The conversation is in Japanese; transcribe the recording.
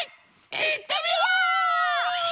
いってみよう！